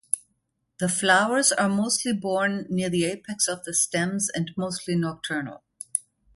The flowers are mostly borne near the apex of the stems and mostly nocturnal.